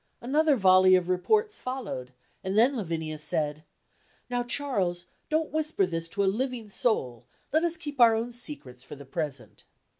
Another volley of reports followed, and then Lavinia said, "Now, Charles, don't whisper this to a living soul; let us keep our own secrets for the present."